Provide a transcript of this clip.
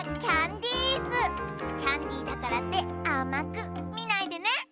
キャンディーだからってあまくみないでね！